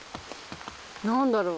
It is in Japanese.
何だろう。